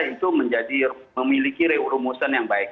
itu menjadi memiliki reumusan yang baik